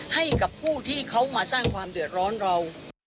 ให้กับผู้ที่เขามาสร้างความเดือดร้อนเรา